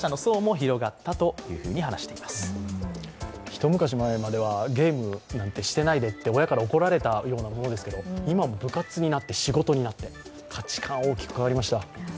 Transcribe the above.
一昔前まではゲームなんてしてないでって親から怒られたようなものですけど、今、部活になって、仕事になって、価値観、大きく変わりました。